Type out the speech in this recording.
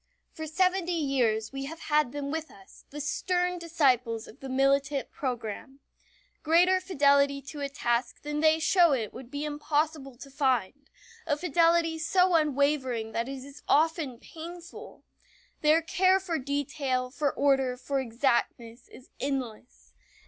For seventy years we have had them with us the stern disciples of the militant program. Greater fidelity to a task than they show it would be impossible to find a fidelity so unwavering that it is often painful. Their care for detail, for order, for exactness, is endless.